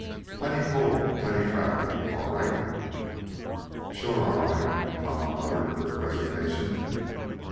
Plenty cold, plenty travel, all right." "Sure all right," Kama muttered, with resignation.